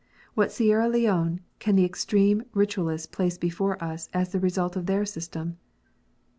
What Sierra Leone can the extreme Ritualists place before us as the result of their system